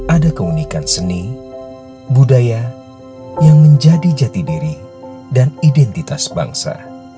ada keunikan seni budaya yang menjadi jati diri dan identitas bangsa